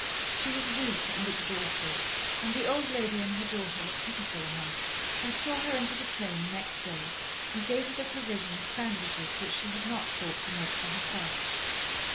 She was weak and exhausted, and the old lady and her daughter were pitiful enough, and saw her into the train next day, and gave her the provision of sandwiches which she had not thought to make for herself.